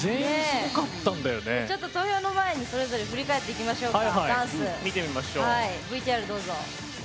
投票の前にそれぞれ振り返ってみましょうか。